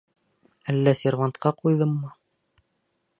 Әллә сервантҡа ҡуйҙыммы?